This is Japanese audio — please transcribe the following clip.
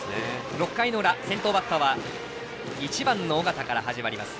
６回の裏、先頭バッターは１番、緒方から始まります。